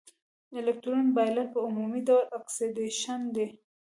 د الکترون بایلل په عمومي ډول اکسیدیشن دی.